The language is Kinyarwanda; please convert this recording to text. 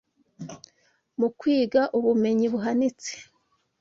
Mu kwiga ubumenyi buhanitse